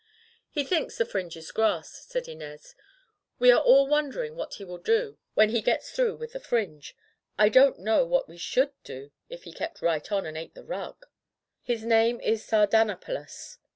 "He thinks the fringe is grass," said Inez. "We are all wondering what he will do when Digitized by LjOOQ IC Interventions he gets through with the fringe. I don't know what we should do if he kept right on and ate the rug. His name is Sardanapalus.'